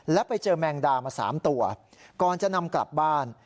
และไปเจอแมงดามา๓ตัวก่อนจะนำกลับบ้าน